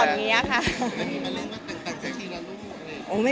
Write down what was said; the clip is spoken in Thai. ไม่มีมันเลี้ยงมาต่างจากที่นั่นหรือเปล่า